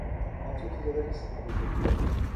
آپ سب سے زیادہ کس سے محبت کرتی ہو؟